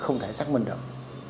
không thể xác minh được